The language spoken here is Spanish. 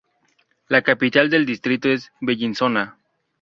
La capital del distrito es Bellinzona.